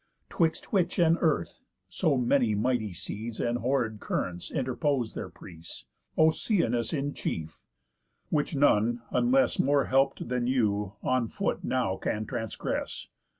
'Twixt which, and earth, so many mighty seas, And horrid currents, interpose their prease, Oceanus in chief? Which none (unless More help'd than you) on foot now can transgress.